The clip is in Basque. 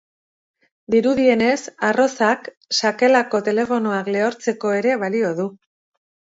Dirudienez, arrozak sakelako telefonoak lehortzeko ere balio du.